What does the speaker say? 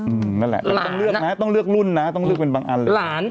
นั่นแหละต้องเลือกนะต้องเลือกรุ่นนะต้องเลือกเป็นบางอันเลยหลาน